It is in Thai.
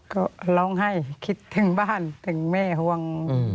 ก็ร้องไห้คิดถึงบ้านถึงแม่ห่วง